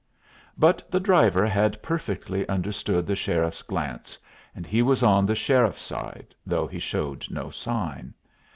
But the driver had perfectly understood the sheriff's glance, and he was on the sheriff's side, though he showed no sign.